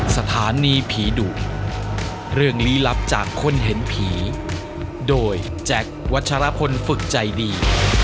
สถานีผีดุเรื่องลี้ลับจากคนเห็นผีโดยแจ็ควัชรพลฝึกใจดี